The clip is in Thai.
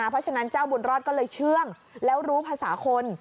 เพราะฉะนั้นเจ้าบุญรอดก็เลยเชื่องแล้วรู้ภาษาคน